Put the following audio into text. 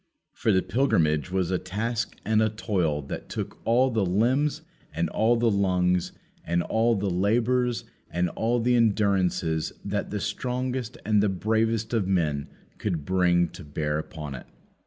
For the pilgrimage was a task and a toil that took all the limbs and all the lungs and all the labours and all the endurances that the strongest and the bravest of men could bring to bear upon it.